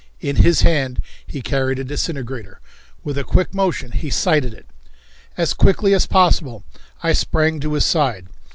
In his hand he carried a disintegrator. With a quick motion he sighted it. As quickly as possible I sprang to his side.